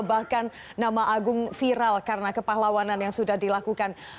bahkan nama agung viral karena kepahlawanan yang sudah dilakukan